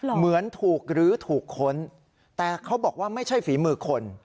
เหมือนถูกรื้อถูกค้นแต่เขาบอกว่าไม่ใช่ฝีมือคน